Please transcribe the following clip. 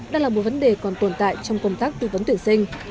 đang là một vấn đề còn tồn tại trong công tác tư vấn tuyển sinh